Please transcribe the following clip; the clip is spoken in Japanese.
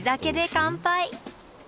乾杯！